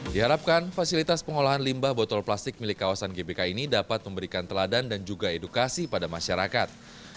diharapkan fasilitas pengolahan limbah botol plastik milik kawasan gbk ini dapat memberikan teladan dan juga edukasi pada masyarakat